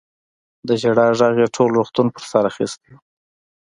د ژړا غږ يې ټول روغتون په سر اخيستی و.